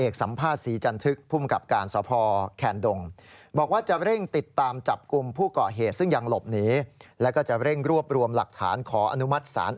ขออนุมัติศาสนภารการ